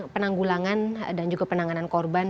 penanggulangan dan juga penanganan korban